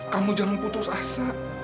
kamu jangan putus asa